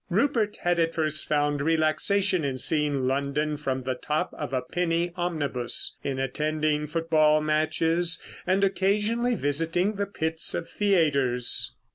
Rupert had at first found relaxation in seeing London from the top of a penny omnibus, in attending football matches, and occasionally visiting the pits of theatres.